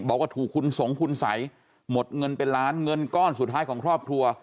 บอกว่าถูกคุณสงคุณสัยหมดเงินเป็นล้านเงินก้อนสุดท้ายของครอบครัว